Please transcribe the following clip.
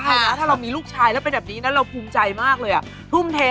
เยอะมากคุณแม่แล้วเด็ดทุกเมนูเลย